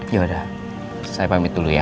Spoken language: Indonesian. ya udah saya pamit dulu ya